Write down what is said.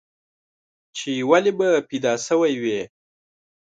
چې ولې به پيدا شوی وې؟